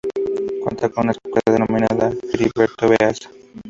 Cuenta con una escuela denominada Heriberto Baeza.